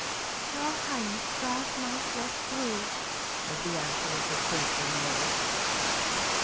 "Your Highness gars my flesh grue," was the answer of her faithful Mary.